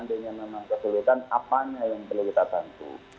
ini memang kesulitan apanya yang perlu kita tangguh